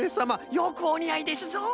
よくおにあいですぞ！